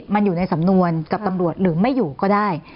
มันอยู่ในสำนวนกับตำรวจหรือไม่อยู่ก็ได้